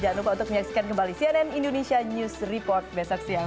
jangan lupa untuk menyaksikan kembali cnn indonesia news report besok siang